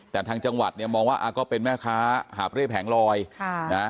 แต่ทางจังหวัดเนี่ยมองว่าก็เป็นแม่ค้าหาบเร่แผงลอยค่ะนะ